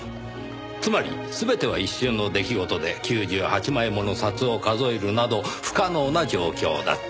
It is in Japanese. つまり全ては一瞬の出来事で９８枚もの札を数えるなど不可能な状況だった。